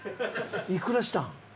いくらしたん？